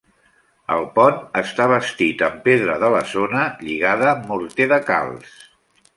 El pont està bastit amb pedra de la zona lligada amb morter de calç.